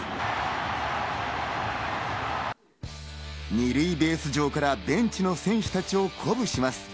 ２塁ベース上からベンチの選手たちを鼓舞します。